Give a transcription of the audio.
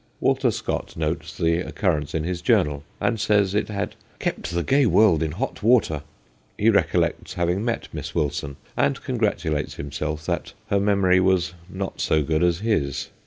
Walter Scott notes the occur rence in his journal, and says it had * kept the gay world in hot water/ He recollects having met Miss Wilson, and congratulates himself that her memory was not so good as his.